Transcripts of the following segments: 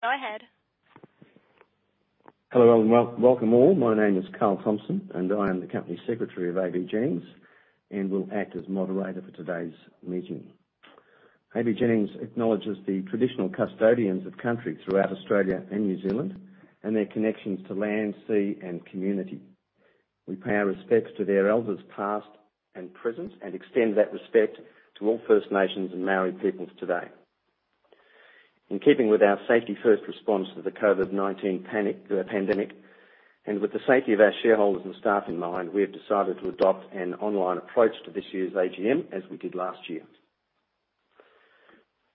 Go ahead. Hello, welcome all. My name is Carl Thompson, and I am the company secretary of AVJennings, and will act as moderator for today's meeting. AVJennings acknowledges the traditional custodians of country throughout Australia and New Zealand, and their connections to land, sea, and community. We pay our respects to their elders past and present, and extend that respect to all First Nations and Maori peoples today. In keeping with our safety-first response to the COVID-19 pandemic, and with the safety of our shareholders and staff in mind, we have decided to adopt an online approach to this year's Annual General Meeting as we did last year.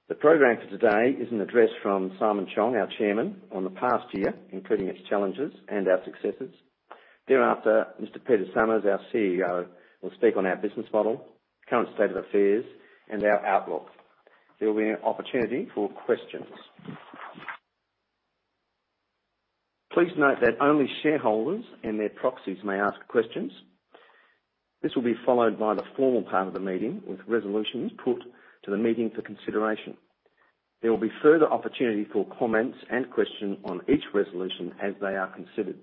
The program for today is an address from Simon Cheong, our chairman, on the past year, including its challenges and our successes. Thereafter, Mr. Peter Summers, our Chief Executive Officer, will speak on our business model, current state of affairs, and our outlook. There will be an opportunity for questions. Please note that only shareholders and their proxies may ask questions. This will be followed by the formal part of the meeting with resolutions put to the meeting for consideration. There will be further opportunity for comments and questions on each resolution as they are considered.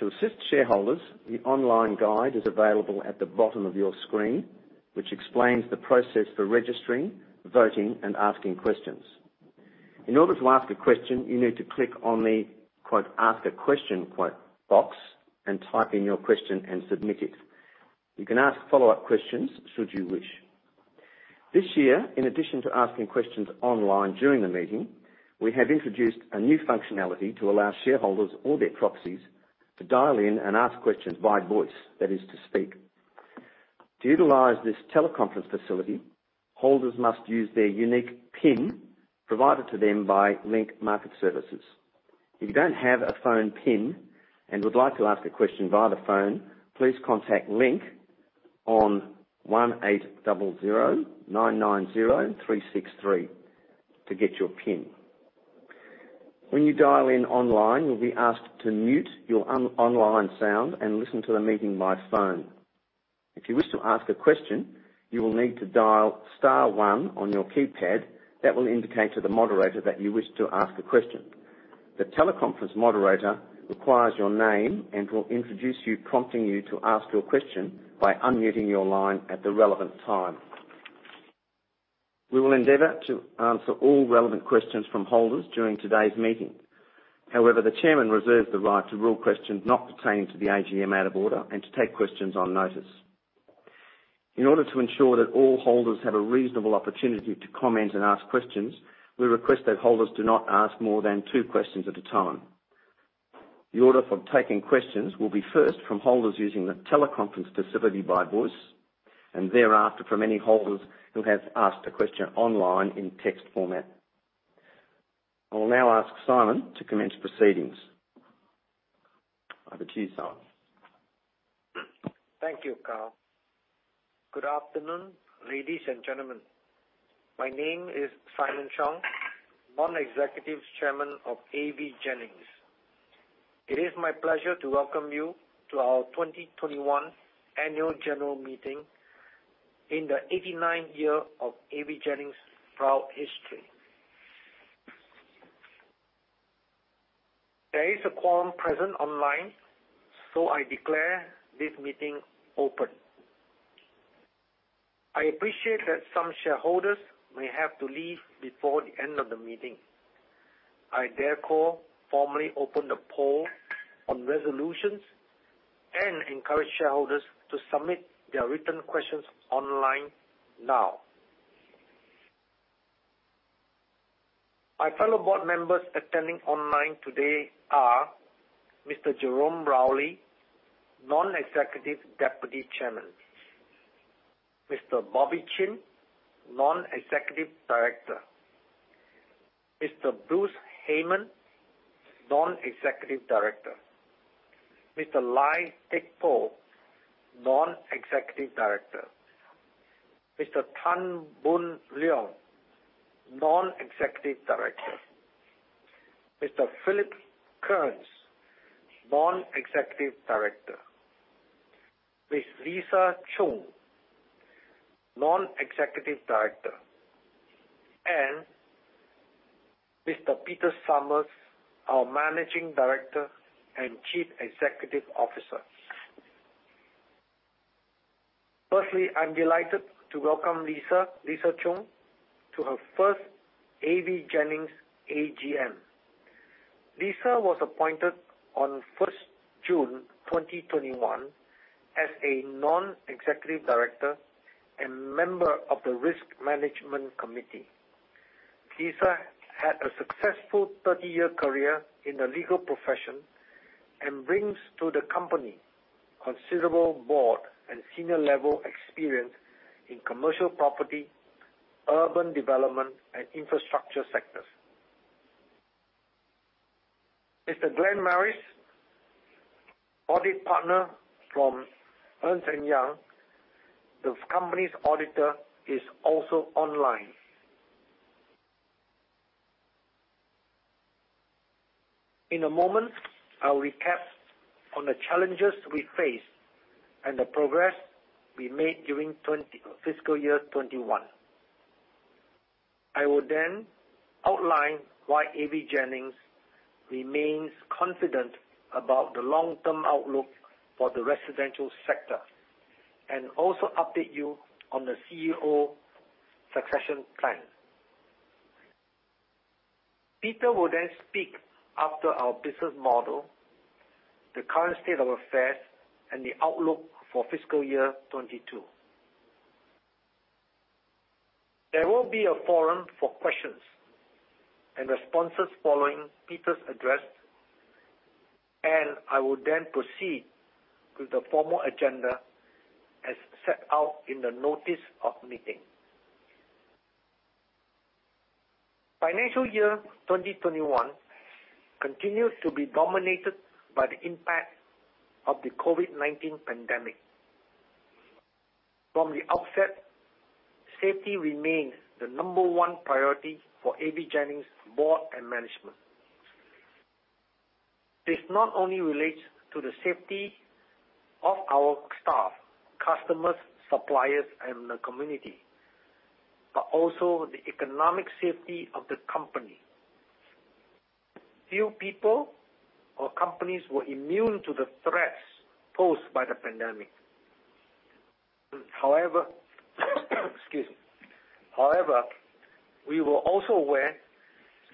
To assist shareholders, the online guide is available at the bottom of your screen, which explains the process for registering, voting, and asking questions. In order to ask a question, you need to click on the "Ask a question" box and type in your question and submit it. You can ask follow-up questions should you wish. This year, in addition to asking questions online during the meeting, we have introduced a new functionality to allow shareholders or their proxies to dial in and ask questions by voice, that is to speak. To utilize this teleconference facility, holders must use their unique PIN provided to them by Link Market Services. If you don't have a phone PIN and would like to ask a question via the phone, please contact Link on 1800 990 363 to get your PIN. When you dial in online, you'll be asked to mute your online sound and listen to the meeting by phone. If you wish to ask a question, you will need to dial star 1 on your keypad. That will indicate to the moderator that you wish to ask a question. The teleconference moderator requires your name and will introduce you, prompting you to ask your question by unmuting your line at the relevant time. We will endeavor to answer all relevant questions from holders during today's meeting. However, the chairman reserves the right to rule questions not pertaining to the Annual General Meeting out of order and to take questions on notice. In order to ensure that all holders have a reasonable opportunity to comment and ask questions, we request that holders do not ask more than two questions at a time. The order for taking questions will be first from holders using the teleconference facility by voice, and thereafter from any holders who have asked a question online in text format. I will now ask Simon to commence proceedings. Over to you, Simon. Thank you, Carl. Good afternoon, ladies and gentlemen. My name is Simon Cheong, Non-Executive Chairman of AVJennings. It is my pleasure to welcome you to our 2021 Annual General Meeting in the 89th year of AVJennings' proud history. There is a quorum present online. I declare this meeting open. I appreciate that some shareholders may have to leave before the end of the meeting. I therefore formally open the poll on resolutions and encourage shareholders to submit their written questions online now. My fellow board members attending online today are Mr. Jerome Rowley, Non-Executive Deputy Chairman, Mr. Bobby Chin, Non-Executive Director, Mr. Bruce Hayman, Non-Executive Director, Mr. Lai Teck Poh, Non-Executive Director, Mr. Tan Boon Leong, Non-Executive Director, Mr. Philip Kearns, Non-Executive Director, Ms. Lisa Chung, Non-Executive Director, and Mr. Peter Summers, our Managing Director and Chief Executive Officer. Firstly, I'm delighted to welcome Lisa Chung to her first AVJennings AGM. Lisa was appointed on the June 1st, 2021 as a Non-Executive Director and member of the Risk Management Committee. Lisa had a successful 30-year career in the legal profession and brings to the company considerable board and senior-level experience in commercial property, urban development, and infrastructure sectors. Mr. Glenn Maris, Audit Partner from Ernst & Young, the company's auditor, is also online. In a moment, I'll recap on the challenges we face and the progress we made during fiscal year 2021. I will outline why AVJennings remains confident about the long-term outlook for the residential sector, and also update you on the Chief Executive Officer succession plan. Peter will speak after our business model, the current state of affairs, and the outlook for fiscal year 2022. There will be a forum for questions and responses following Peter's address. I will then proceed with the formal agenda as set out in the notice of meeting. Financial year 2021 continues to be dominated by the impact of the COVID-19 pandemic. From the outset, safety remains the number one priority for AVJennings' board and management. This not only relates to the safety of our staff, customers, suppliers, and the community, but also the economic safety of the company. Few people or companies were immune to the threats posed by the pandemic. Excuse me. We were also aware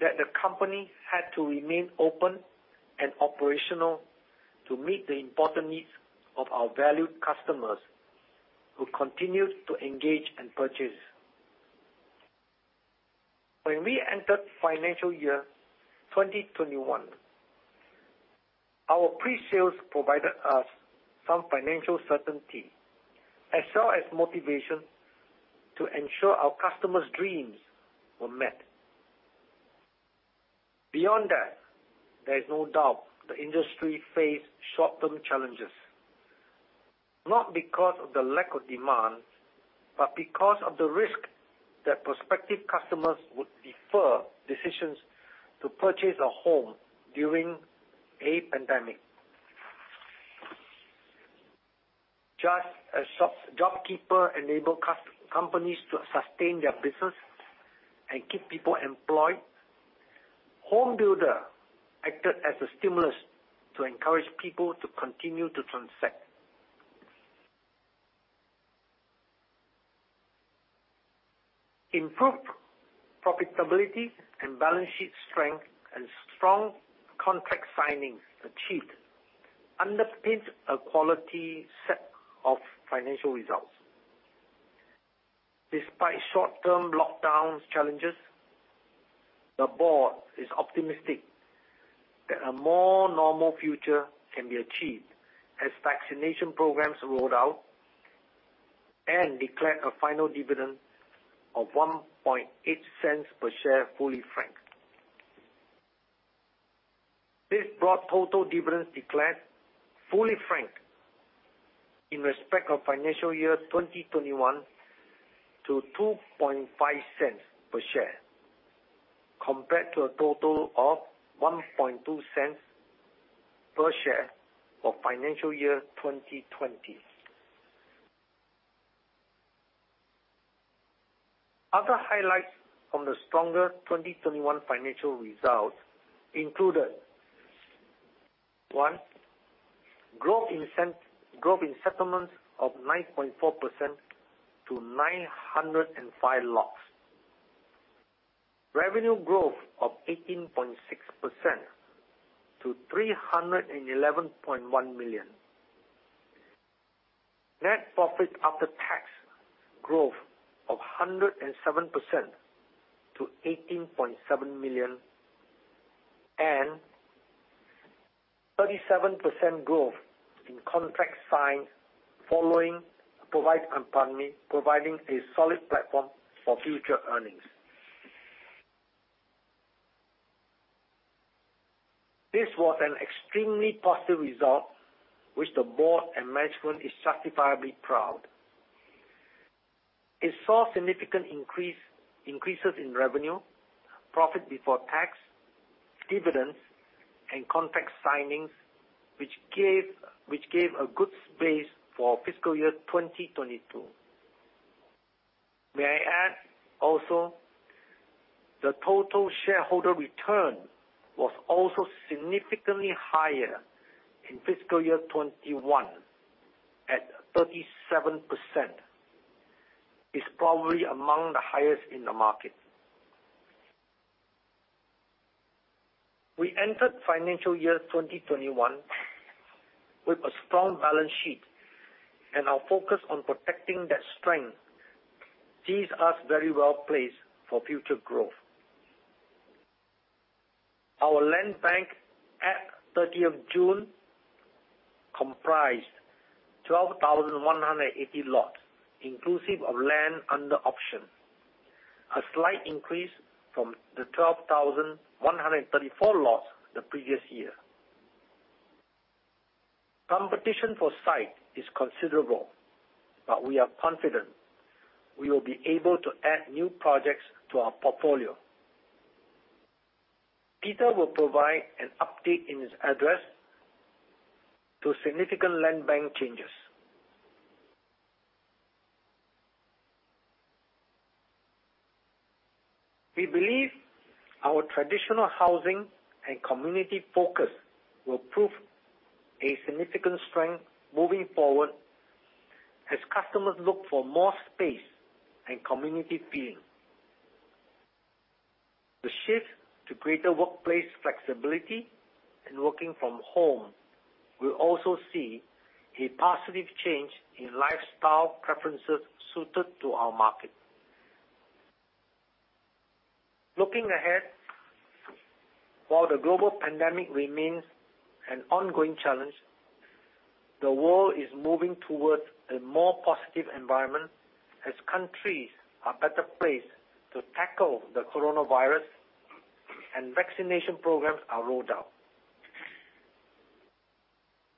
that the company had to remain open and operational to meet the important needs of our valued customers, who continued to engage and purchase. When we entered financial year 2021, our pre-sales provided us some financial certainty as well as motivation to ensure our customers' dreams were met. Beyond that, there is no doubt the industry faced short-term challenges, not because of the lack of demand, but because of the risk that prospective customers would defer decisions to purchase a home during a pandemic. Just as JobKeeper enabled companies to sustain their business and keep people employed, HomeBuilder acted as a stimulus to encourage people to continue to transact. Improved profitability and balance sheet strength and strong contract signings achieved underpin a quality set of financial results. Despite short-term lockdowns challenges, the board is optimistic that a more normal future can be achieved as vaccination programs rolled out and declared a final dividend of 0.018 per share, fully franked. This brought total dividends declared fully frank in respect of financial year 2021 to 0.025 per share, compared to a total of 0.012 per share for financial year 2020. Other highlights from the stronger 2021 financial results included, one, growth in settlements of 9.4% to 905 lots. Revenue growth of 18.6% to AUD 311.1 million. Net profit after tax growth of 107% to 18.7 million, and 37% growth in contracts signed providing a solid platform for future earnings. This was an extremely positive result which the board and management is justifiably proud. It saw significant increases in revenue, profit before tax, dividends, and contract signings, which gave a good space for fiscal year 2022. May I add also the total shareholder return was also significantly higher in fiscal year 2021 at 37%. It's probably among the highest in the market. We entered financial year 2021 with a strong balance sheet, and our focus on protecting that strength sees us very well placed for future growth. Our land bank at June 30th comprised 12,180 lots, inclusive of land under option, a slight increase from the 12,134 lots the previous year. Competition for site is considerable, but we are confident we will be able to add new projects to our portfolio. Peter will provide an update in his address to significant land bank changes. We believe our traditional housing and community focus will prove a significant strength moving forward as customers look for more space and community feeling. The shift to greater workplace flexibility and working from home will also see a positive change in lifestyle preferences suited to our market. Looking ahead, while the global pandemic remains an ongoing challenge, the world is moving towards a more positive environment as countries are better placed to tackle the coronavirus and vaccination programs are rolled out.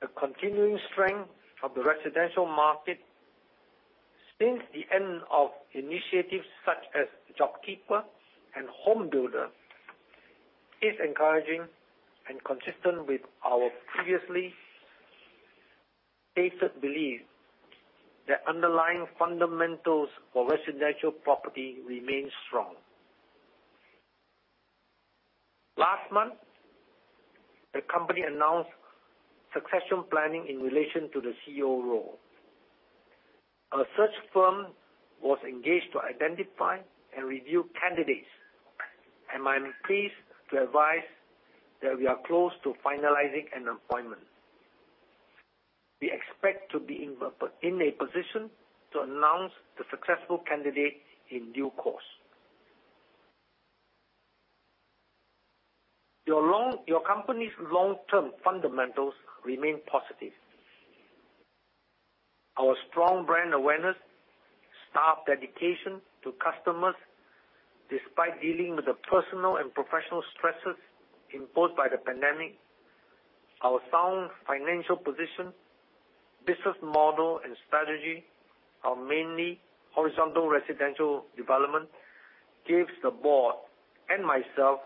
The continuing strength of the residential market since the end of initiatives such as JobKeeper and HomeBuilder is encouraging and consistent with our previously stated belief that underlying fundamentals for residential property remain strong. Last month, the company announced succession planning in relation to the Chief Executive Officer role. A search firm was engaged to identify and review candidates, and I'm pleased to advise that we are close to finalizing an appointment. We expect to be in a position to announce the successful candidate in due course. Your company's long-term fundamentals remain positive. Our strong brand awareness, staff dedication to customers, despite dealing with the personal and professional stresses imposed by the pandemic, our sound financial position, business model, and strategy, our mainly horizontal residential development gives the board and myself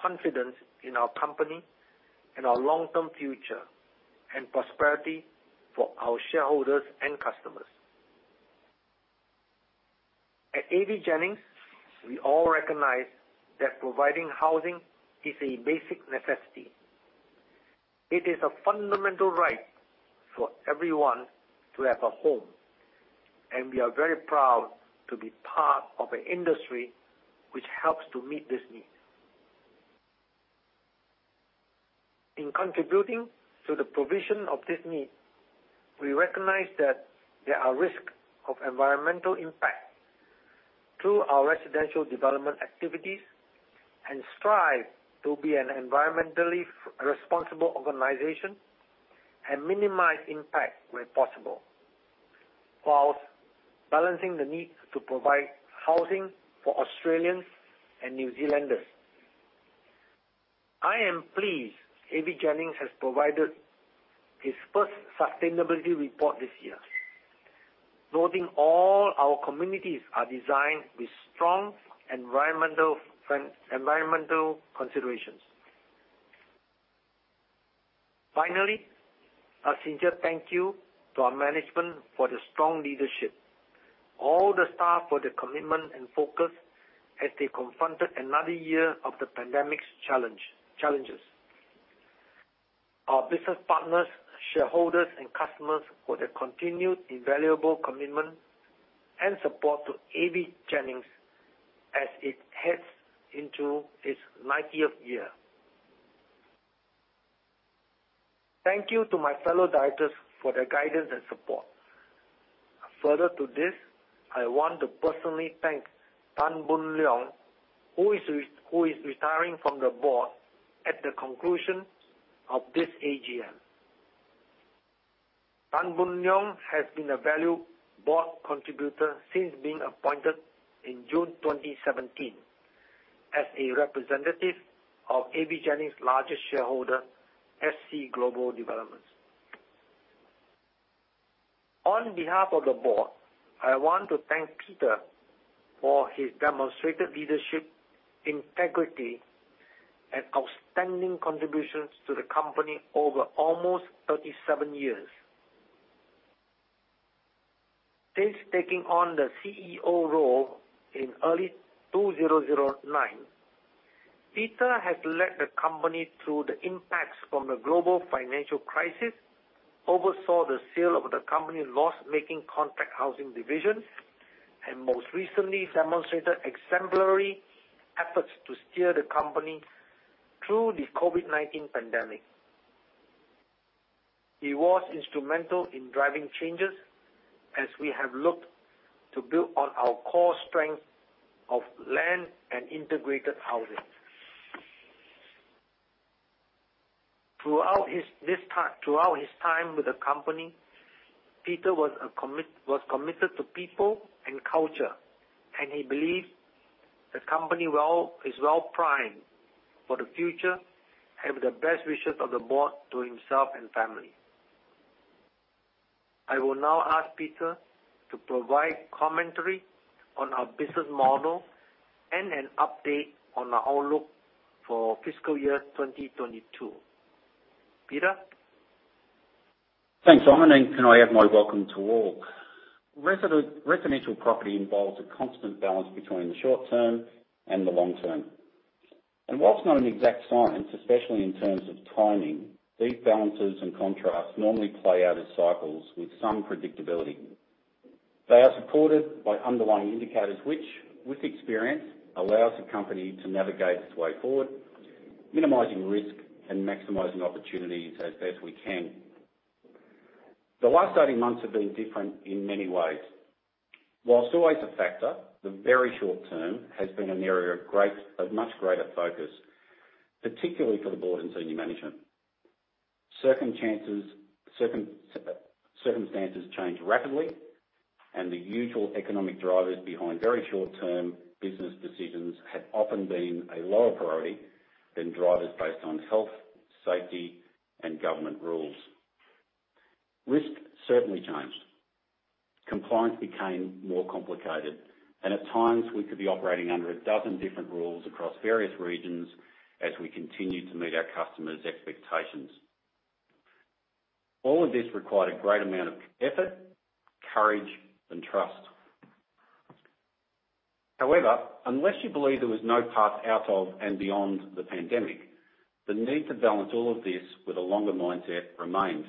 confidence in our company and our long-term future and prosperity for our shareholders and customers. At AVJennings, we all recognize that providing housing is a basic necessity. It is a fundamental right for everyone to have a home, and we are very proud to be part of an industry which helps to meet this need. In contributing to the provision of this need, we recognize that there are risks of environmental impact through our residential development activities and strive to be an environmentally responsible organization and minimize impact where possible, whilst balancing the need to provide housing for Australians and New Zealanders. I am pleased AVJennings has provided its first sustainability report this year, noting all our communities are designed with strong environmental considerations. Finally, a sincere thank you to our management for the strong leadership, all the staff for their commitment and focus as they confronted another year of the pandemic's challenges. Our business partners, shareholders, and customers for their continued invaluable commitment and support to AVJennings as it heads into its 90th year. Thank you to my fellow directors for their guidance and support. Further to this, I want to personally thank Tan Boon Leong, who is retiring from the board at the conclusion of this AGM. Tan Boon Leong has been a valued board contributor since being appointed in June 2017 as a representative of AVJennings' largest shareholder, SC Global Developments. On behalf of the board, I want to thank Peter for his demonstrated leadership, integrity, and outstanding contributions to the company over almost 37 years. Since taking on the Chief Executive Officer role in early 2009, Peter has led the company through the impacts from the global financial crisis, oversaw the sale of the company's loss-making contract housing division, and most recently demonstrated exemplary efforts to steer the company through the COVID-19 pandemic. He was instrumental in driving changes as we have looked to build on our core strength of land and integrated housing. Throughout his time with the company, Peter was committed to people and culture, and he believed the company is well-primed for the future. I have the best wishes of the board to himself and family. I will now ask Peter to provide commentary on our business model and an update on our outlook for fiscal year 2022. Peter? Thanks, Simon. Can I add my welcome to all. Residential property involves a constant balance between the short term and the long term. While it's not an exact science, especially in terms of timing, these balances and contrasts normally play out as cycles with some predictability. They are supported by underlying indicators, which, with experience, allow the company to navigate its way forward, minimizing risk and maximizing opportunities as best we can. The last 18 months have been different in many ways. While it's always a factor, the very short term has been an area of much greater focus, particularly for the board and senior management. Circumstances change rapidly, and the usual economic drivers behind very short-term business decisions have often been a lower priority than drivers based on health, safety, and government rules. Risk certainly changed. Compliance became more complicated, and at times, we could be operating under 12 different rules across various regions as we continued to meet our customers' expectations. All of this required a great amount of effort, courage, and trust. However, unless you believe there was no path out of and beyond the pandemic, the need to balance all of this with a longer mindset remained.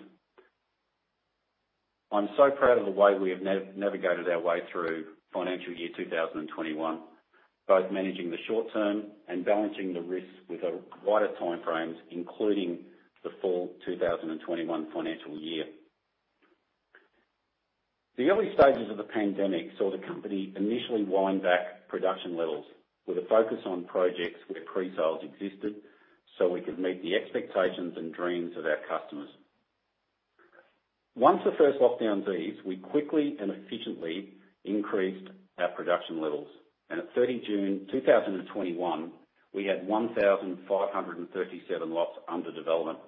I'm so proud of the way we have navigated our way through financial year 2021, both managing the short term and balancing the risk with wider time frames, including the full 2021 financial year. The early stages of the pandemic saw the company initially wind back production levels with a focus on projects where pre-sales existed so we could meet the expectations and dreams of our customers. Once the first lockdown eased, we quickly and efficiently increased our production levels, and at June 30th, 2021, we had 1,537 lots under development.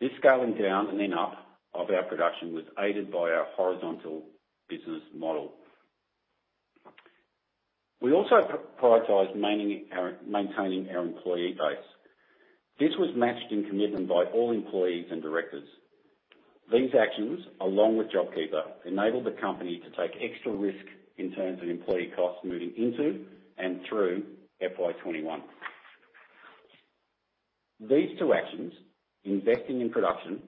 This scaling down and then up of our production was aided by our horizontal business model. We also prioritized maintaining our employee base. This was matched in commitment by all employees and directors. These actions, along with JobKeeper, enabled the company to take extra risk in terms of employee costs moving into and through FY 2021. These two actions, investing in production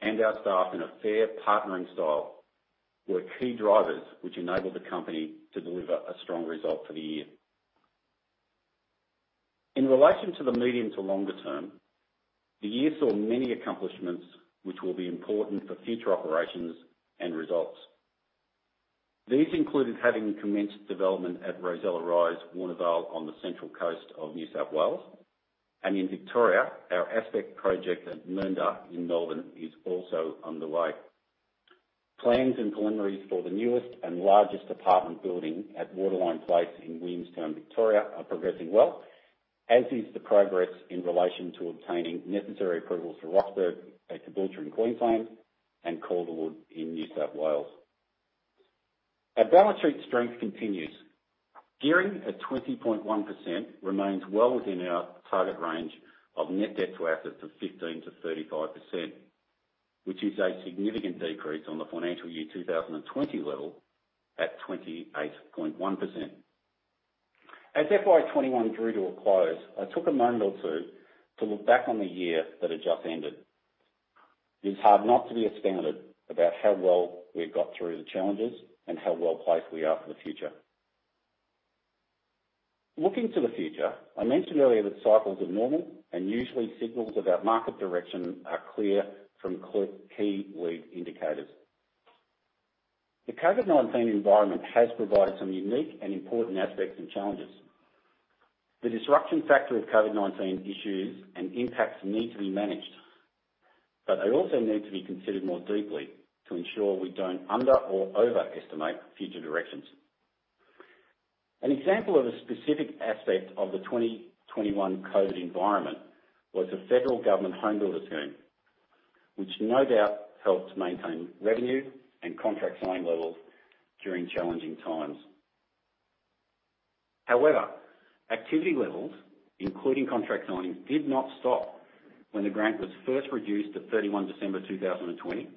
and our staff in a fair partnering style, were key drivers which enabled the company to deliver a strong result for the year. In relation to the medium to longer term, the year saw many accomplishments which will be important for future operations and results. These included having commenced development at Rosella Rise, Warnervale, on the Central Coast of New South Wales. In Victoria, our Aspect project at Mernda in Melbourne is also underway. Plans and preliminaries for the newest and largest apartment building at Waterline Place in Williamstown, Victoria, are progressing well, as is the progress in relation to obtaining necessary approvals for Rocksberg at Caboolture in Queensland and Calderwood in New South Wales. Our balance sheet strength continues. Gearing at 20.1% remains well within our target range of net debt to assets of 15%-35%, which is a significant decrease on the financial year 2020 level at 28.1%. As FY 2021 drew to a close, I took a moment or two to look back on the year that had just ended. It is hard not to be astounded about how well we had got through the challenges and how well-placed we are for the future. Looking to the future, I mentioned earlier that cycles are normal and usually signals about market direction are clear from key lead indicators. The COVID-19 environment has provided some unique and important aspects and challenges. The disruption factor of COVID-19 issues and impacts need to be managed, but they also need to be considered more deeply to ensure we don't under or overestimate future directions. An example of a specific aspect of the 2021 COVID environment was the federal government HomeBuilder scheme, which no doubt helped maintain revenue and contract signing levels during challenging times. However, activity levels, including contract signings, did not stop when the grant was first reduced on December 31st, 2020,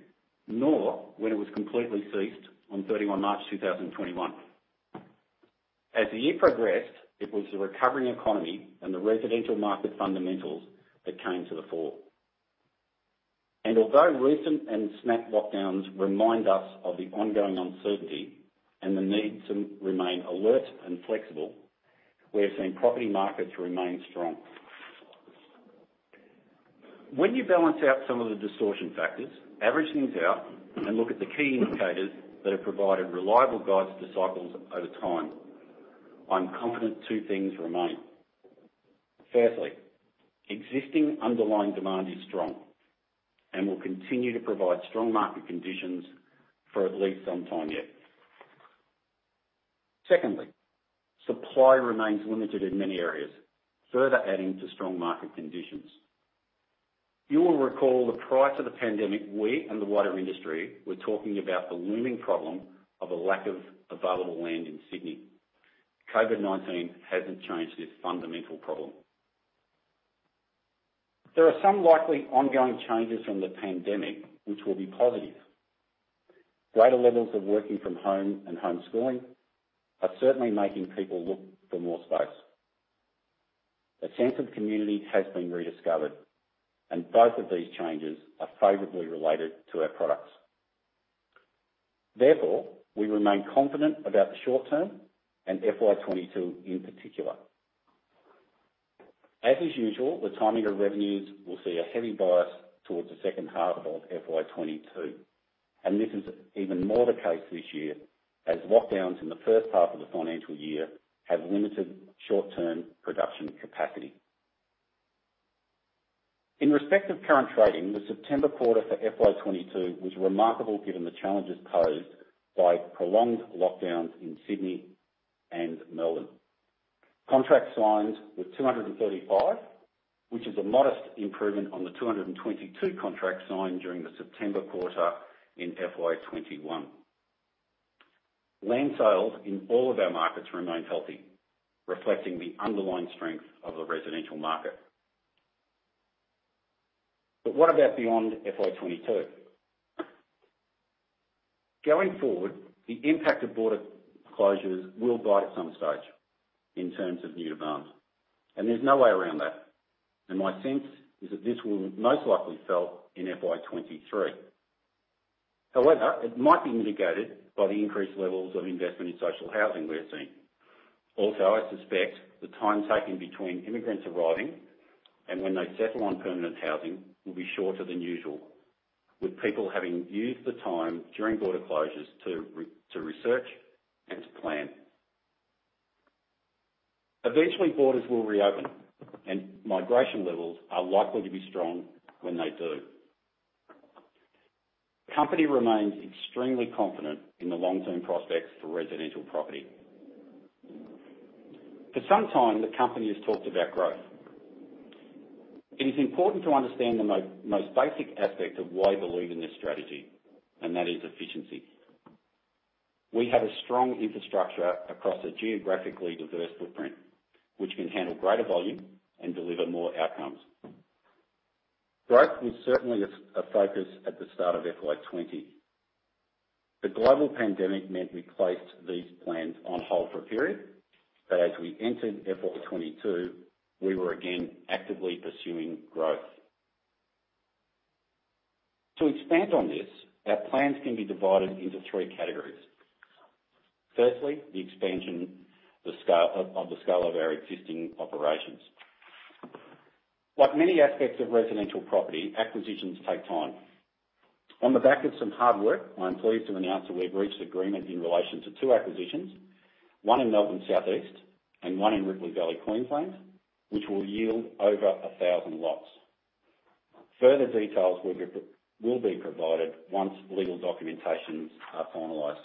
nor when it was completely ceased on March 31st, 2021. As the year progressed, it was the recovering economy and the residential market fundamentals that came to the fore. Although recent and snap lockdowns remind us of the ongoing uncertainty and the need to remain alert and flexible, we have seen property markets remain strong. When you balance out some of the distortion factors, average things out, and look at the key indicators that have provided reliable guides to cycles over time, I'm confident two things remain. Firstly, existing underlying demand is strong and will continue to provide strong market conditions for at least some time yet. Secondly, supply remains limited in many areas, further adding to strong market conditions. You will recall that prior to the pandemic, we and the wider industry were talking about the looming problem of a lack of available land in Sydney. COVID-19 hasn't changed this fundamental problem. There are some likely ongoing changes from the pandemic which will be positive. Greater levels of working from home and homeschooling are certainly making people look for more space. A sense of community has been rediscovered, and both of these changes are favorably related to our products. Therefore, we remain confident about the short term and FY 2022 in particular. As usual, the timing of revenues will see a heavy bias towards the second half of FY 2022, and this is even more the case this year as lockdowns in the first half of the financial year have limited short-term production capacity. In respect of current trading, the September quarter for FY 2022 was remarkable given the challenges posed by prolonged lockdowns in Sydney and Melbourne. Contract signed were 235, which is a modest improvement on the 222 contracts signed during the September quarter in FY 2021. Land sales in all of our markets remains healthy, reflecting the underlying strength of the residential market. What about beyond FY 2022? Going forward, the impact of border closures will bite at some stage in terms of new demands, and there's no way around that. My sense is that this will be most likely felt in FY 2023. However, it might be mitigated by the increased levels of investment in social housing we're seeing. Also, I suspect the time taken between immigrants arriving and when they settle on permanent housing will be shorter than usual, with people having used the time during border closures to research and to plan. Eventually, borders will reopen, and migration levels are likely to be strong when they do. Company remains extremely confident in the long-term prospects for residential property. For some time, the company has talked about growth. It is important to understand the most basic Aspect of why believe in this strategy, and that is efficiency. We have a strong infrastructure across a geographically diverse footprint, which can handle greater volume and deliver more outcomes. Growth was certainly a focus at the start of FY 2020. The global pandemic meant we placed these plans on hold for a period, but as we entered FY 2022, we were again actively pursuing growth. To expand on this, our plans can be divided into three categories. Firstly, the expansion of the scale of our existing operations. Like many aspects of residential property, acquisitions take time. On the back of some hard work, I'm pleased to announce that we have reached agreement in relation to two acquisitions, one in Melbourne's South east and one in Ripley Valley, Queensland, which will yield over 1,000 lots. Further details will be provided once legal documentations are finalized.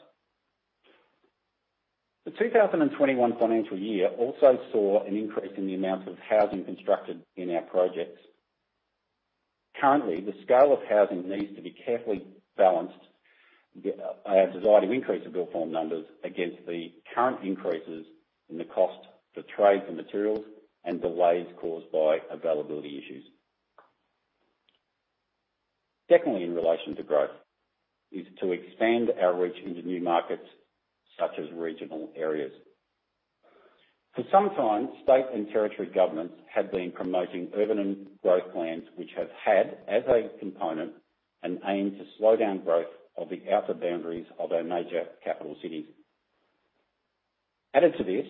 The 2021 financial year also saw an increase in the amount of housing constructed in our projects. Currently, the scale of housing needs to be carefully balanced, our desire to increase the built form numbers against the current increases in the cost for trades and materials and delays caused by availability issues. Secondly, in relation to growth, is to expand our reach into new markets such as regional areas. For some time, state and territory governments have been promoting urban growth plans, which have had as a component an aim to slow down growth of the outer boundaries of our major capital cities. Added to this,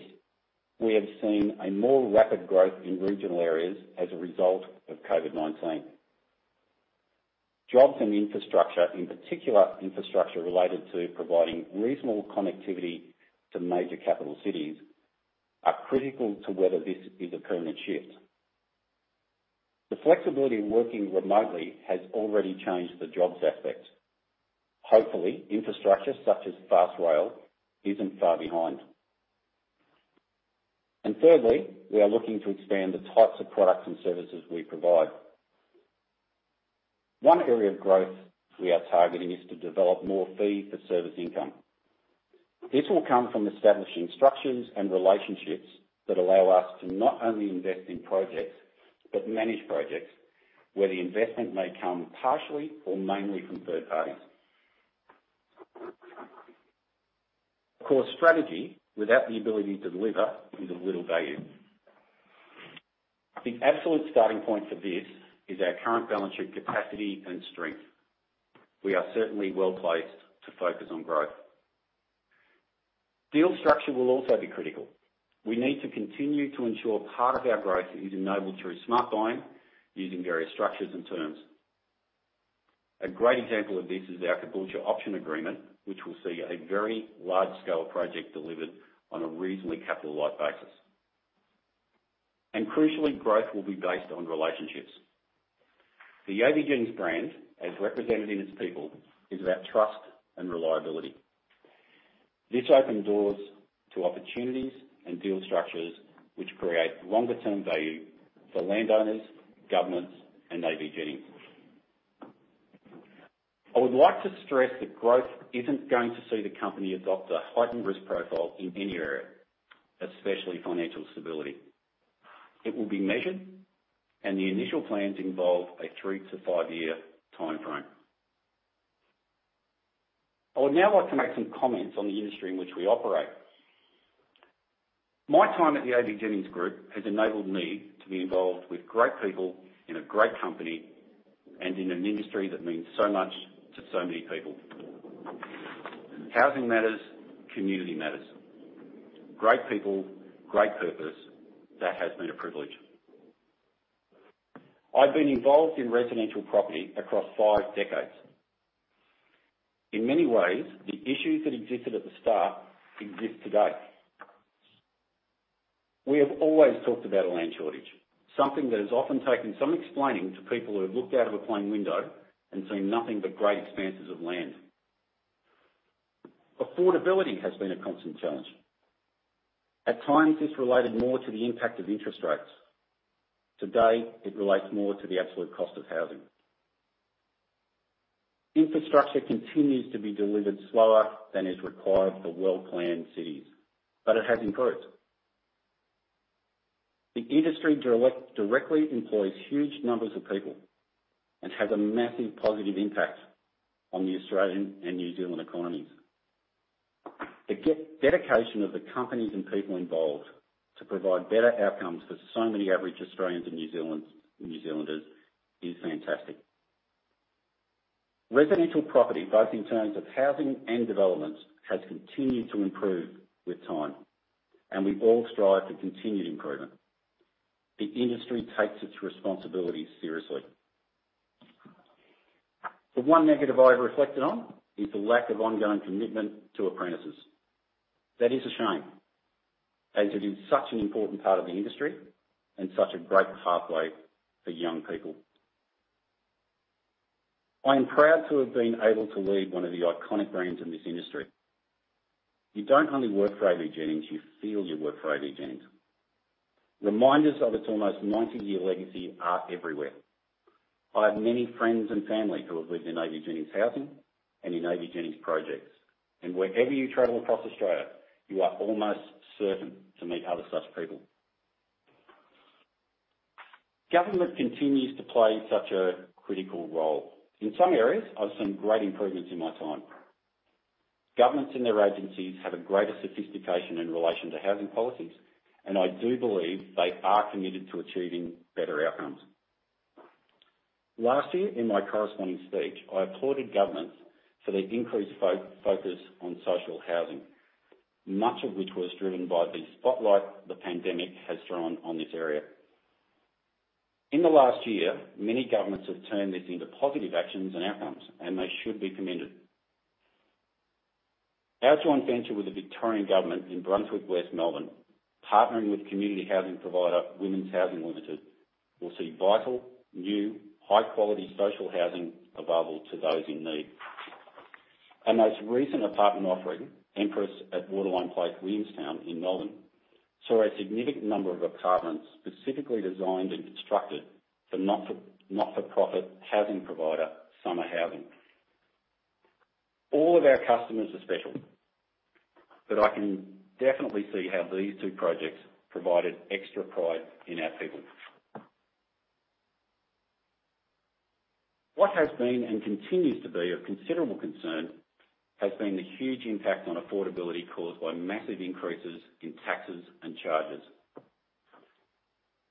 we have seen a more rapid growth in regional areas as a result of COVID-19. Jobs and infrastructure, in particular, infrastructure related to providing reasonable connectivity to major capital cities, are critical to whether this is a permanent shift. The flexibility in working remotely has already changed the jobs aspect. Hopefully, infrastructure such as fast rail isn't far behind. Thirdly, we are looking to expand the types of products and services we provide. One area of growth we are targeting is to develop more fee-for-service income. This will come from establishing structures and relationships that allow us to not only invest in projects, but manage projects where the investment may come partially or mainly from third parties. Of course, strategy without the ability to deliver is of little value. The absolute starting point for this is our current balance sheet capacity and strength. We are certainly well-placed to focus on growth. Deal structure will also be critical. We need to continue to ensure part of our growth is enabled through smart buying, using various structures and terms. A great example of this is our Caboolture option agreement, which will see a very large-scale project delivered on a reasonably capital light basis. Crucially, growth will be based on relationships. The AVJennings brand, as represented in its people, is about trust and reliability. This opened doors to opportunities and deal structures which create longer term value for landowners, governments, and AVJennings. I would like to stress that growth isn't going to see the company adopt a heightened risk profile in any area, especially financial stability. It will be measured, and the initial plans involve a three to five-year timeframe. I would now like to make some comments on the industry in which we operate. My time at the AVJennings Group has enabled me to be involved with great people in a great company, and in an industry that means so much to so many people. Housing matters, community matters. Great people, great purpose. That has been a privilege. I've been involved in residential property across five decades. In many ways, the issues that existed at the start exist today. We have always talked about a land shortage, something that has often taken some explaining to people who have looked out of a plane window and seen nothing but great expanses of land. Affordability has been a constant challenge. At times, it's related more to the impact of interest rates. Today, it relates more to the absolute cost of housing. Infrastructure continues to be delivered slower than is required for well-planned cities, but it has improved. The industry directly employs huge numbers of people and has a massive positive impact on the Australian and New Zealand economies. The dedication of the companies and people involved to provide better outcomes for so many average Australians and New Zealanders is fantastic. Residential property, both in terms of housing and development, has continued to improve with time, and we all strive for continued improvement. The industry takes its responsibilities seriously. The one negative I've reflected on is the lack of ongoing commitment to apprentices. That is a shame, as it is such an important part of the industry and such a great pathway for young people. I am proud to have been able to lead one of the iconic brands in this industry. You don't only work for AVJennings. You feel you work for AVJennings. Reminders of its almost 90-year legacy are everywhere. I have many friends and family who have lived in AVJennings housing and in AVJennings projects. Wherever you travel across Australia, you are almost certain to meet other such people. Government continues to play such a critical role. In some areas, I've seen great improvements in my time. Governments and their agencies have a greater sophistication in relation to housing policies, and I do believe they are committed to achieving better outcomes. Last year, in my corresponding speech, I applauded governments for their increased focus on social housing, much of which was driven by the spotlight the pandemic has thrown on this area. In the last year, many governments have turned this into positive actions and outcomes, and they should be commended. Our joint venture with the Victorian Government in Brunswick West, Melbourne, partnering with community housing provider Women's Housing Limited, will see vital, new, high-quality social housing available to those in need. Our most recent apartment offering, Empress at Waterline Place, Williamstown in Melbourne, saw a significant number of apartments specifically designed and constructed for not-for-profit housing provider, Summer Housing. All of our customers are special, but I can definitely see how these two projects provided extra pride in our people. What has been, and continues to be, of considerable concern, has been the huge impact on affordability caused by massive increases in taxes and charges.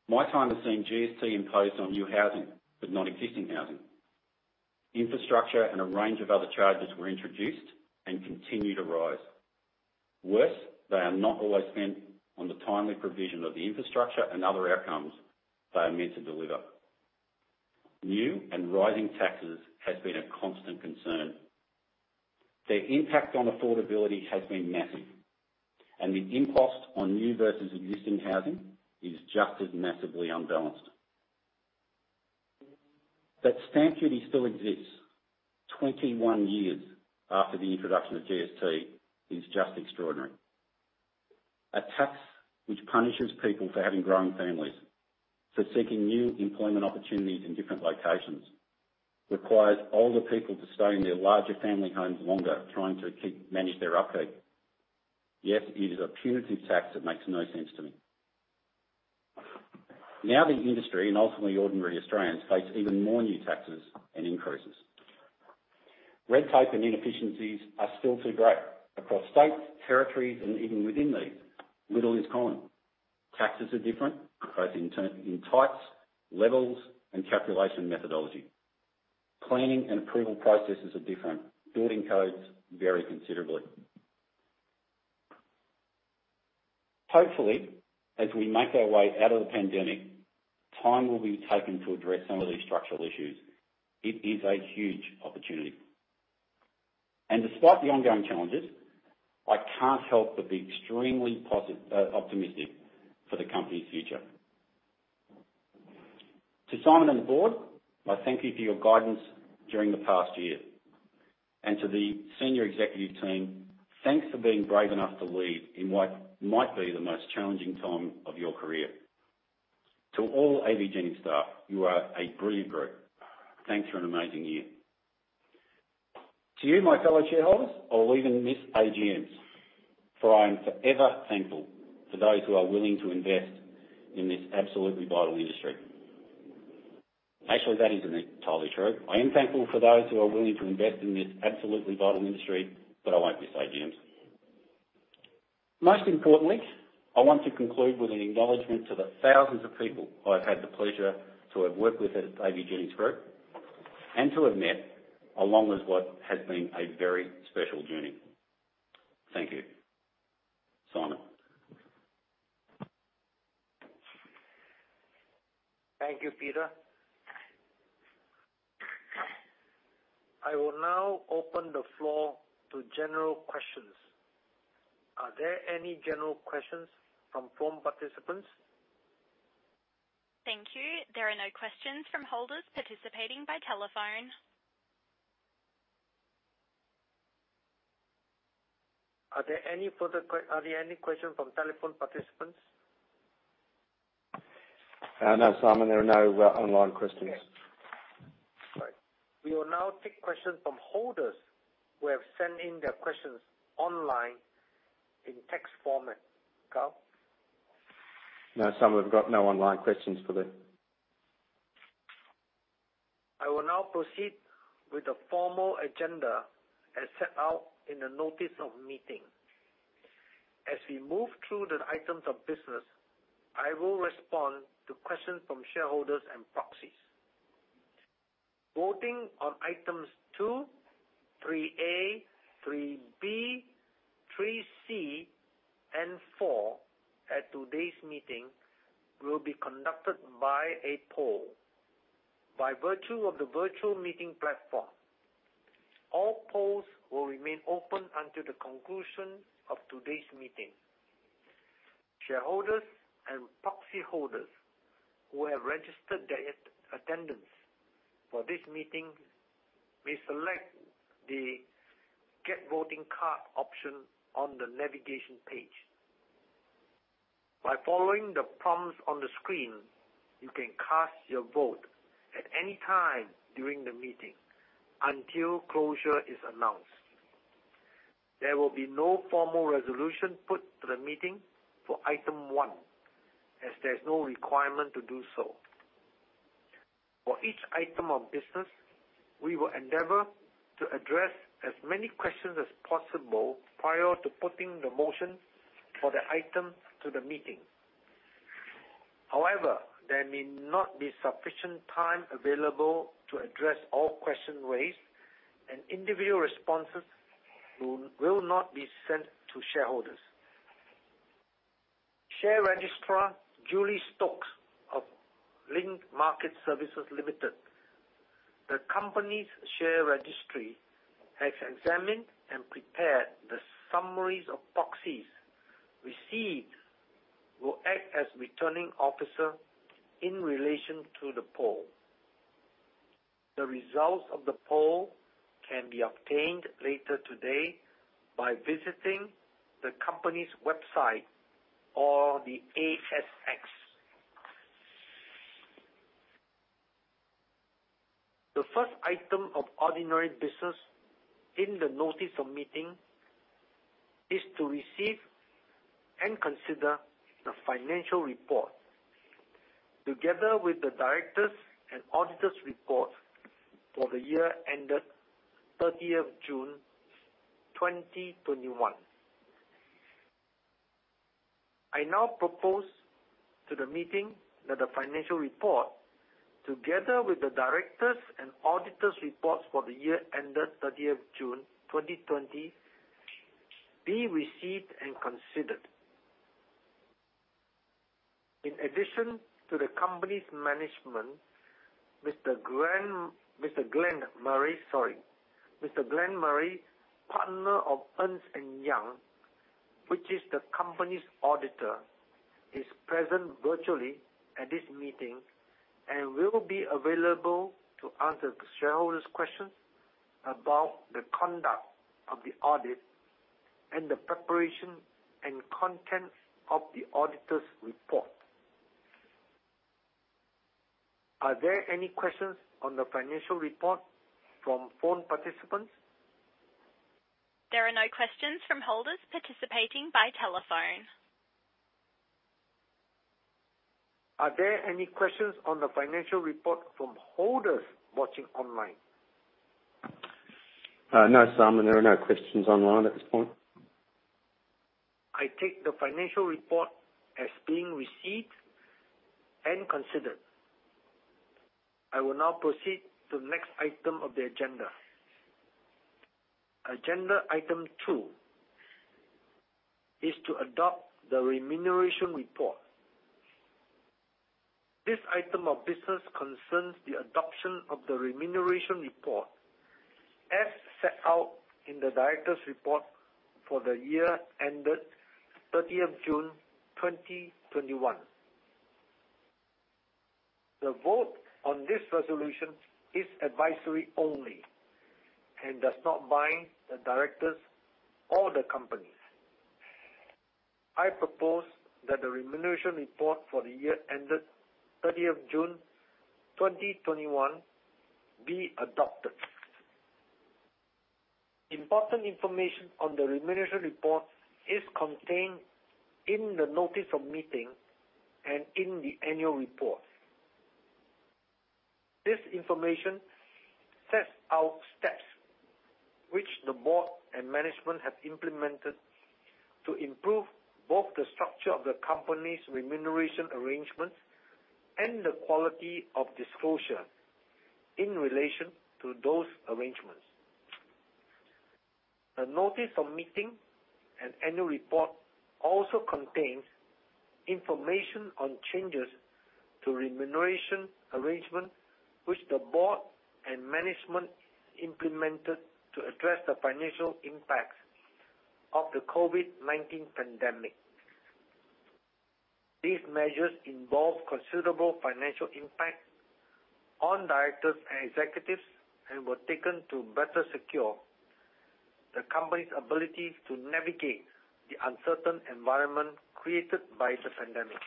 My time has seen GST imposed on new housing, but not existing housing. Infrastructure and a range of other charges were introduced and continue to rise. Worse, they are not always spent on the timely provision of the infrastructure and other outcomes they are meant to deliver. New and rising taxes has been a constant concern. Their impact on affordability has been massive, and the impost on new versus existing housing is just as massively unbalanced. That stamp duty still exists 21 years after the introduction of GST is just extraordinary. A tax which punishes people for having growing families, for seeking new employment opportunities in different locations, requires older people to stay in their larger family homes longer, trying to manage their upkeep. Yes, it is a punitive tax that makes no sense to me. Now, the industry, and ultimately ordinary Australians, face even more new taxes and increases. Red tape and inefficiencies are still too great across states, territories, and even within these. Little is common. Taxes are different, both in types, levels, and calculation methodology. Planning and approval processes are different. Building codes vary considerably. Hopefully, as we make our way out of the pandemic, time will be taken to address some of these structural issues. It is a huge opportunity. Despite the ongoing challenges, I can't help but be extremely optimistic for the company's future. To Simon and the board, I thank you for your guidance during the past year. To the senior executive team, thanks for being brave enough to lead in what might be the most challenging time of your career. To all AVJennings staff, you are a brilliant group. Thanks for an amazing year. To you, my fellow shareholders, I will even miss AGMs, for I am forever thankful to those who are willing to invest in this absolutely vital industry. Actually, that isn't entirely true. I am thankful for those who are willing to invest in this absolutely vital industry, but I won't miss AGMs. Most importantly, I want to conclude with an acknowledgement to the thousands of people I've had the pleasure to have worked with at AVJennings Group and to have met along as what has been a very special journey. Thank you. Simon. Thank you, Peter. I will now open the floor to general questions. Are there any general questions from phone participants? Thank you. There are no questions from holders participating by telephone. Are there any questions from telephone participants? No, Simon, there are no online questions. Okay. All right. We will now take questions from holders who have sent in their questions online in text format. Carl? No, Simon, we've got no online questions for them. I will now proceed with the formal agenda as set out in the notice of meeting. As we move through the items of business, I will respond to questions from shareholders and proxies. Voting on item 2, item 3A, item 3B, item 3C, and item 4 at today's meeting will be conducted by a poll. By virtue of the virtual meeting platform, all polls will remain open until the conclusion of today's meeting. Shareholders and proxy holders who have registered their attendance for this meeting may select the Get Voting Card option on the navigation page. By following the prompts on the screen, you can cast your vote at any time during the meeting until closure is announced. There will be no formal resolution put to the meeting for item 1, as there's no requirement to do so. For each item of business, we will endeavor to address as many questions as possible prior to putting the motion for the item to the meeting. However, there may not be sufficient time available to address all questions raised, and individual responses will not be sent to shareholders. Share registrar, Julie Stokes of Link Market Services Limited, the company's share registry, has examined and prepared the summaries of proxies received, will act as returning officer in relation to the poll. The results of the poll can be obtained later today by visiting the company's website or the ASX. The first item of ordinary business in the notice of meeting is to receive and consider the financial report, together with the directors' and auditor's report for the year ended June 30th, 2021. I now propose to the meeting that the financial report, together with the directors' and auditor's reports for the year ended June 30th, 2020, be received and considered. In addition to the company's management, Mr. Glenn Maris, partner of Ernst & Young, which is the company's auditor, is present virtually at this meeting and will be available to answer the shareholders' questions about the conduct of the audit and the preparation and contents of the auditor's report. Are there any questions on the financial report from phone participants? There are no questions from holders participating by telephone. Are there any questions on the financial report from holders watching online? No, Simon, there are no questions online at this point. I take the financial report as being received and considered. I will now proceed to the next item of the agenda. Agenda item 2 is to adopt the remuneration report. This item of business concerns the adoption of the remuneration report as set out in the director's report for the year ended 30th June 2021. The vote on this resolution is advisory only and does not bind the directors or the company. I propose that the remuneration report for the year ended June 30th, 2021 be adopted. Important information on the remuneration report is contained in the notice of meeting and in the annual report. This information sets out steps which the board and management have implemented to improve both the structure of the company's remuneration arrangements and the quality of disclosure in relation to those arrangements. The notice of meeting and annual report also contains information on changes to remuneration arrangement, which the board and management implemented to address the financial impacts of the COVID-19 pandemic. These measures involve considerable financial impact on directors and executives, and were taken to better secure the company's ability to navigate the uncertain environment created by the pandemic.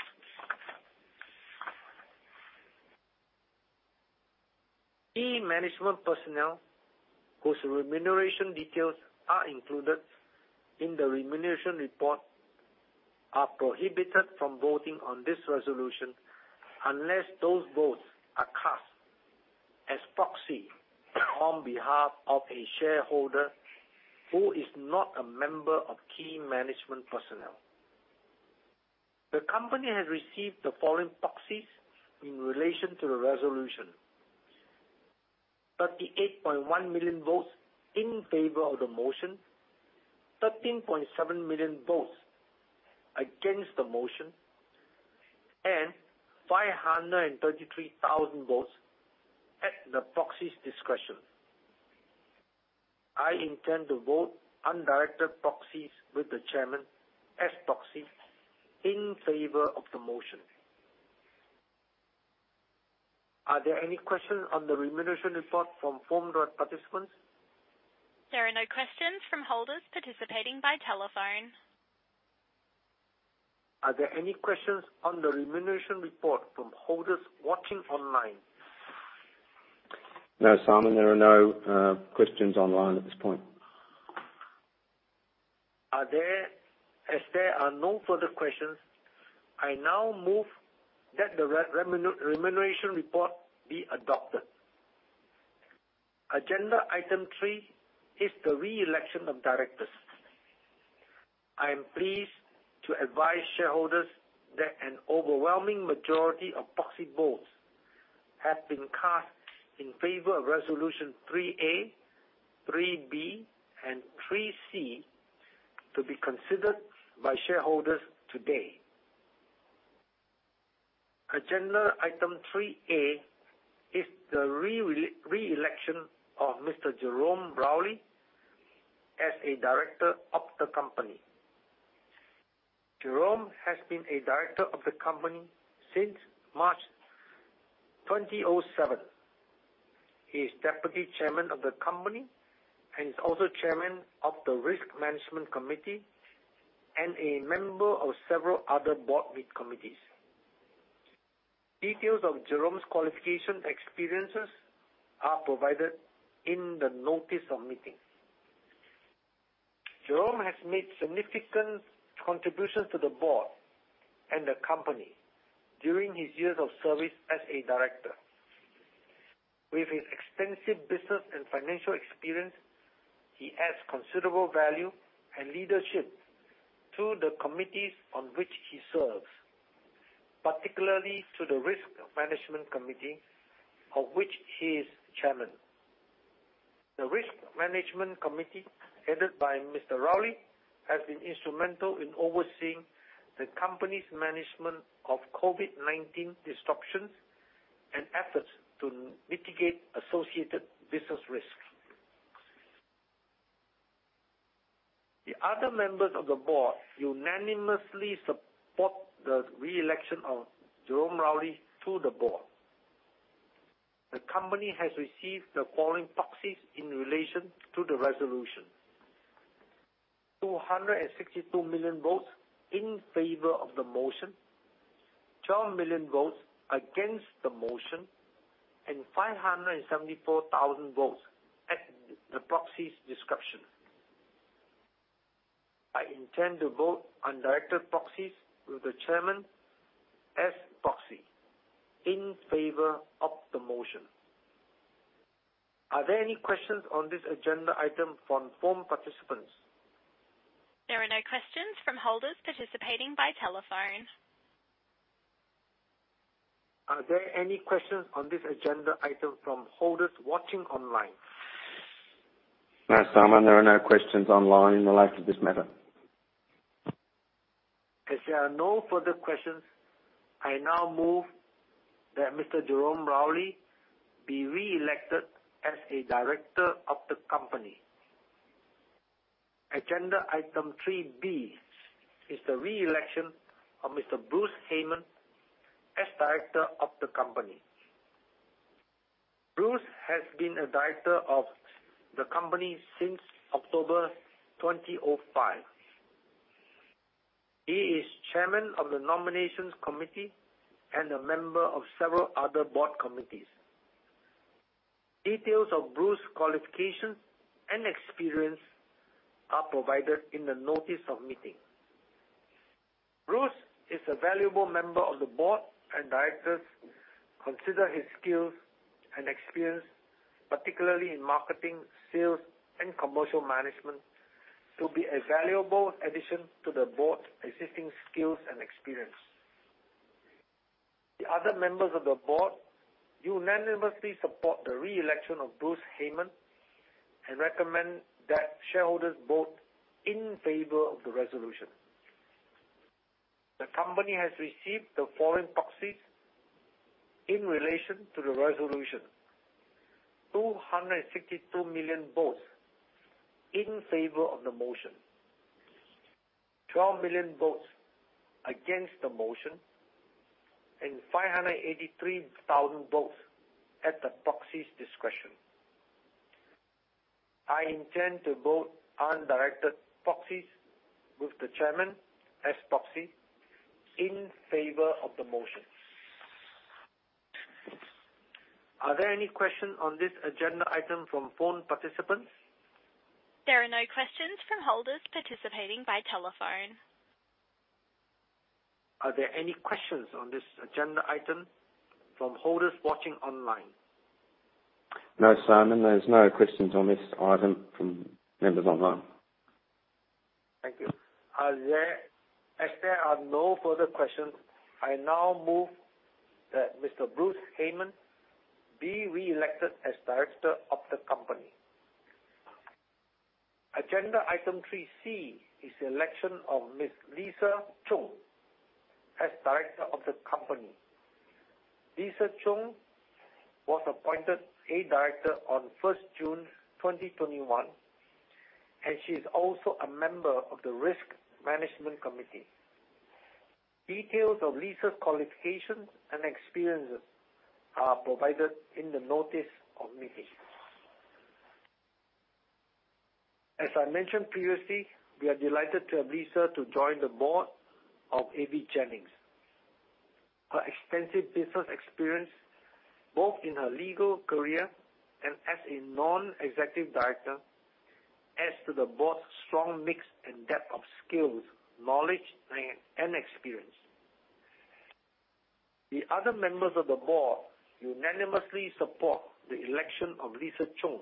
Key management personnel, whose remuneration details are included in the remuneration report, are prohibited from voting on this resolution unless those votes are cast as proxy on behalf of a shareholder who is not a member of key management personnel. The company has received the following proxies in relation to the resolution. 38.1 million votes in favor of the motion, 13.7 million votes against the motion, and 533,000 votes at the proxy's discretion. I intend to vote on directed proxies with the Chairman as proxy in favor of the motion. Are there any questions on the remuneration report from phone participants? There are no questions from holders participating by telephone. Are there any questions on the remuneration report from holders watching online? No, Simon. There are no questions online at this point. As there are no further questions, I now move that the remuneration report be adopted. Agenda item 3 is the re-election of directors. I am pleased to advise shareholders that an overwhelming majority of proxy votes have been cast in favor of resolution 3A, resolution 3B, and resolution 3C to be considered by shareholders today. Agenda item 3A is the re-election of Mr. Jerome Rowley as a director of the company. Jerome has been a director of the company since March 2007. He is deputy chairman of the company and is also chairman of the Risk Management Committee and a member of several other board committees. Details of Jerome's qualifications and experiences are provided in the notice of meeting. Jerome has made significant contributions to the board and the company during his years of service as a director. With his extensive business and financial experience, he adds considerable value and leadership to the committees on which he serves, particularly to the Risk Management Committee, of which he is Chairman. The Risk Management Committee, headed by Mr. Rowley, has been instrumental in overseeing the company's management of COVID-19 disruptions and efforts to mitigate associated business risk. The other members of the board unanimously support the re-election of Jerome Rowley to the board. The company has received the following proxies in relation to the resolution. 262 million votes in favor of the motion, 12 million votes against the motion, and 574,000 votes at the proxy's discretion. I intend to vote on director proxies with the Chairman as proxy in favor of the motion. Are there any questions on this agenda item from phone participants? There are no questions from holders participating by telephone. Are there any questions on this agenda item from holders watching online? No, Simon, there are no questions online in relation to this matter. As there are no further questions, I now move that Mr. Jerome Rowley be re-elected as a director of the company. Agenda item 3B is the re-election of Mr. Bruce Hayman as director of the company. Bruce has been a director of the company since October 2005. He is chairman of the nominations committee and a member of several other board committees. Details of Bruce's qualifications and experience are provided in the notice of meeting. Bruce is a valuable member of the board, and directors consider his skills and experience, particularly in marketing, sales, and commercial management, to be a valuable addition to the board's existing skills and experience. The other members of the board unanimously support the re-election of Bruce Hayman and recommend that shareholders vote in favor of the resolution. The company has received the following proxies in relation to the resolution. 262 million votes in favor of the motion, 12 million votes against the motion, and 583,000 votes at the proxy's discretion. I intend to vote on directed proxies with the chairman as proxy in favor of the motion. Are there any questions on this agenda item from phone participants? There are no questions from holders participating by telephone. Are there any questions on this agenda item from holders watching online? No, Simon, there's no questions on this item from members online. Thank you. As there are no further questions, I now move that Mr. Bruce Hayman be re-elected as director of the company. Agenda item 3C is the election of Ms. Lisa Chung as director of the company. Lisa Chung was appointed a director on June 1, 2021, and she is also a member of the Risk Management Committee. Details of Lisa's qualifications and experiences are provided in the notice of meeting. As I mentioned previously, we are delighted to have Lisa to join the board of AVJennings. Her extensive business experience, both in her legal career and as a non-executive director, adds to the board's strong mix and depth of skills, knowledge, and experience. The other members of the board unanimously support the election of Lisa Chung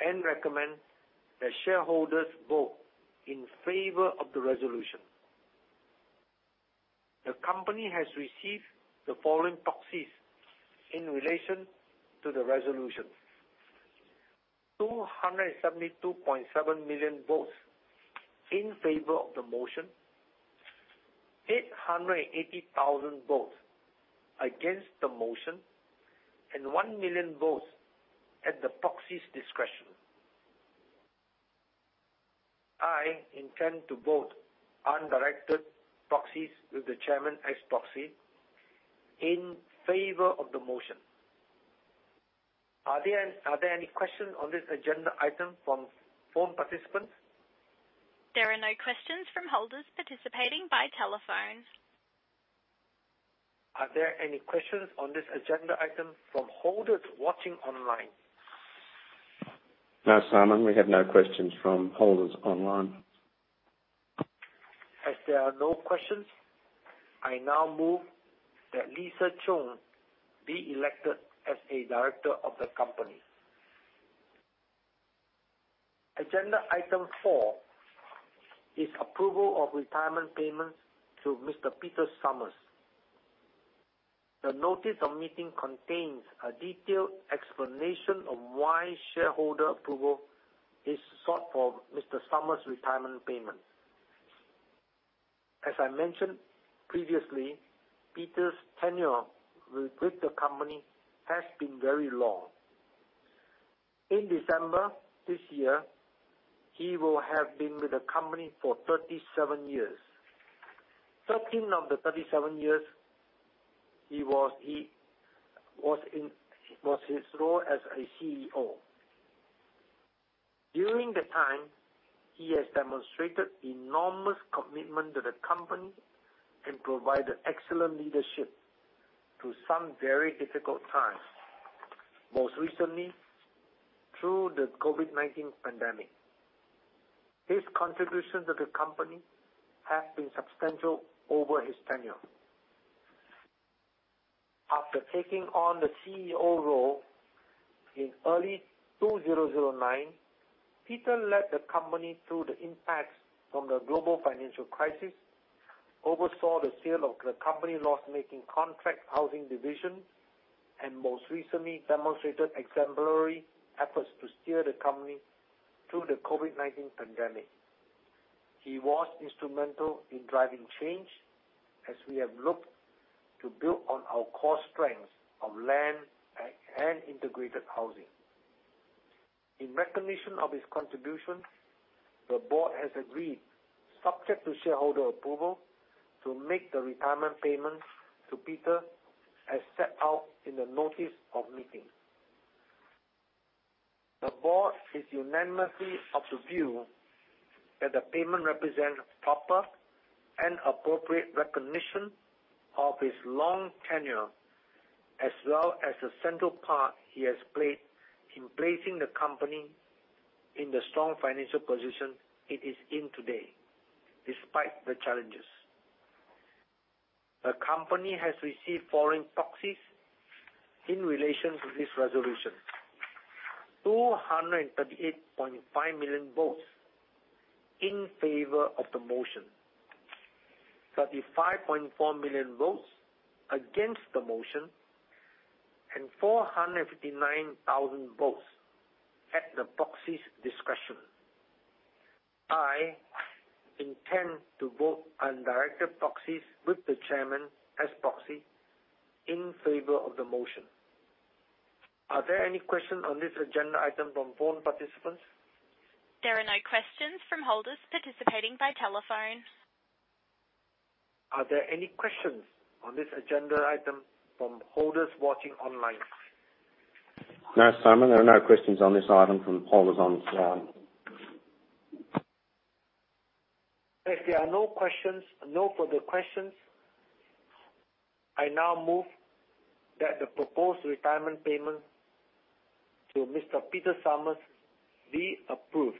and recommend that shareholders vote in favor of the resolution. The company has received the following proxies in relation to the resolution. 272.7 million votes in favor of the motion, 880,000 votes against the motion, and 1 million votes at the proxy's discretion. I intend to vote on directed proxies with the chairman as proxy in favor of the motion. Are there any questions on this agenda item from phone participants? There are no questions from holders participating by telephone. Are there any questions on this agenda item from holders watching online? No, Simon, we have no questions from holders online. As there are no questions, I now move that Lisa Chung be elected as a director of the company. Agenda item 4 is approval of retirement payments to Mr. Peter Summers. The notice of meeting contains a detailed explanation of why shareholder approval is sought for Mr. Summers' retirement payment. As I mentioned previously, Peter's tenure with the company has been very long. In December this year, he will have been with the company for 37 years. 13 years of the 37 years was his role as a CEO. During the time, he has demonstrated enormous commitment to the company and provided excellent leadership through some very difficult times, most recently through the COVID-19 pandemic. His contributions to the company have been substantial over his tenure. After taking on the Chief Executive Officer role in early 2009, Peter led the company through the impacts from the global financial crisis, oversaw the sale of the company loss-making contract housing division, and most recently demonstrated exemplary efforts to steer the company through the COVID-19 pandemic. He was instrumental in driving change as we have looked to build on our core strengths of land and integrated housing. In recognition of his contribution, the board has agreed, subject to shareholder approval, to make the retirement payment to Peter as set out in the notice of meeting. The board is unanimously of the view that the payment represents proper and appropriate recognition of his long tenure, as well as the central part he has played in placing the company in the strong financial position it is in today, despite the challenges. The company has received foreign proxies in relation to this resolution. 238.5 million votes in favor of the motion, 35.4 million votes against the motion, and 459,000 votes at the proxy's discretion. I intend to vote on director proxies with the chairman as proxy in favor of the motion. Are there any questions on this agenda item from phone participants? There are no questions from holders participating by telephone. Are there any questions on this agenda item from holders watching online? No, Simon, there are no questions on this item from holders online. If there are no further questions, I now move that the proposed retirement payment to Mr. Peter Summers be approved.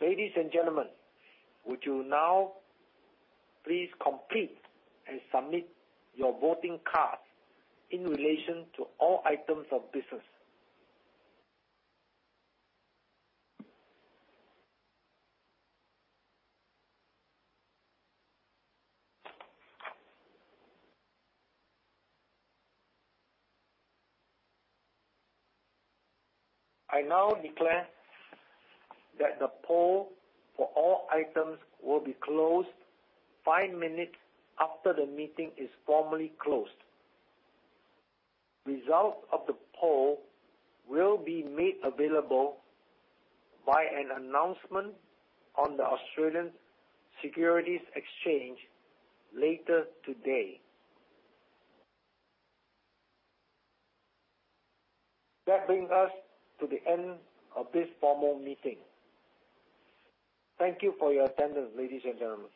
Ladies and gentlemen, would you now please complete and submit your voting cards in relation to all items of business? I now declare that the poll for all items will be closed five minutes after the meeting is formally closed. Results of the poll will be made available by an announcement on the Australian Securities Exchange later today. That brings us to the end of this formal meeting. Thank you for your attendance, ladies and gentlemen.